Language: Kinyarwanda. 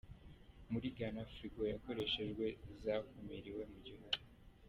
Muri gana Firigo zakoreshejwe zakumiriwe mu gihugu